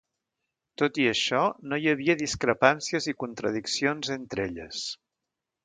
Tot i això no hi havia discrepàncies i contradiccions entre elles.